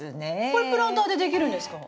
これプランターでできるんですか？